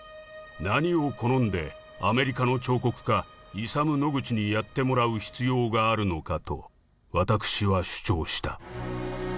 何を好んでアメリカの彫刻家イサム・ノグチにやってもらう必要があるのか？』とわたくしは主張した」。